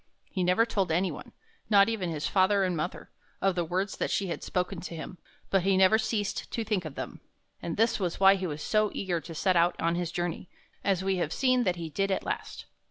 He never told any one, not even his father and mother, of the words that she had spoken to him, but he never ceased to think of them; and this was why he was so eager to set out on his journey, as we have seen that he did at last.